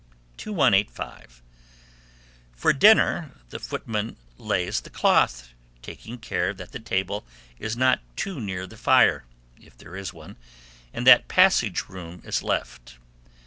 2185. For dinner, the footman lays the cloth, taking care that the table is not too near the fire, if there is one, and that passage room is left.